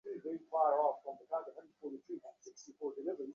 এই শক্তিগুলি সুদৃঢ় এবং সুসংবদ্ধ হইলে সমাজও নিজেকে তদনুরূপ গড়িয়া তুলিবে।